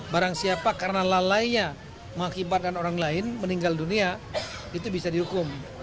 barang siapa karena lalainya mengakibatkan orang lain meninggal dunia itu bisa dihukum